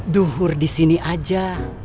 duhur disini aja